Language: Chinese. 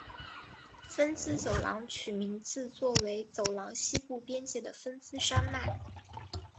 芬兹走廊取名自作为走廊西部边界的芬兹山脉。